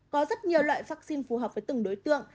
có rất nhiều loại vaccine phù hợp với từng đối tượng